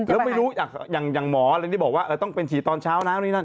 แล้วไม่รู้อย่างหมออะไรที่บอกว่าต้องเป็นฉีดตอนเช้านะนี่นะ